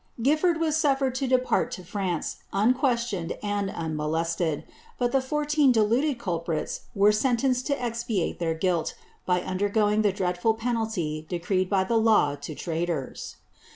GifTord was suflfer^ to depart to France, unquestioned and unmolested ; but the fourteen de luded culprits were sentenced to expiate their guilt, by undergoing the dreadful penalty decreed by the law to traitors.